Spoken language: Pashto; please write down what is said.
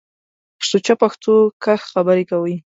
په سوچه پښتو کښ خبرې کوٸ۔